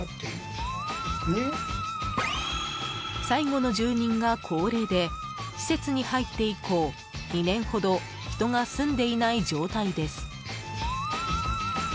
最後の住人が高齢で施設に入って以降２年ほど人が住んでいない状態です。